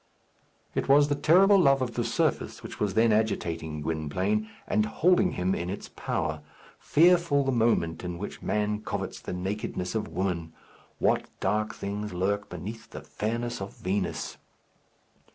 It was the terrible love of the surface which was then agitating Gwynplaine, and holding him in its power. Fearful the moment in which man covets the nakedness of woman! What dark things lurk beneath the fairness of Venus!